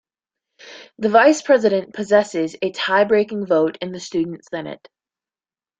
The vice-president possesses a tie-breaking vote in the Student Senate.